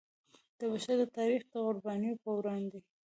د بشر د تاریخ د قربانیو پر وړاندې.